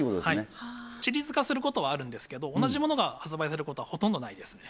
はいシリーズ化することはあるんですけど同じものが発売されることはほとんどないですね